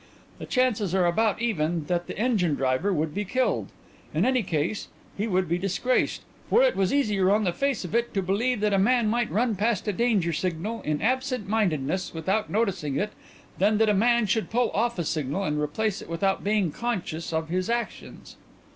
The chances are about even that the engine driver would be killed. In any case he would be disgraced, for it is easier on the face of it to believe that a man might run past a danger signal in absentmindedness, without noticing it, than that a man should pull off a signal and replace it without being conscious of his actions."